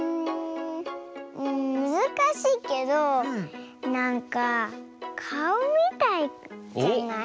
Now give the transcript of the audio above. んむずかしいけどなんかかおみたいじゃない？